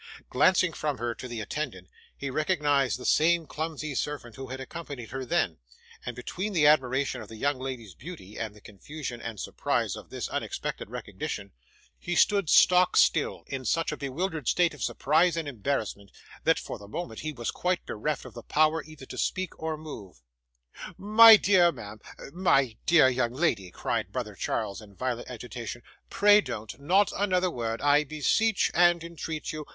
Glancing from her to the attendant, he recognised the same clumsy servant who had accompanied her then; and between his admiration of the young lady's beauty, and the confusion and surprise of this unexpected recognition, he stood stock still, in such a bewildered state of surprise and embarrassment that, for the moment, he was quite bereft of the power either to speak or move. 'My dear ma'am my dear young lady,' cried brother Charles in violent agitation, 'pray don't not another word, I beseech and entreat you!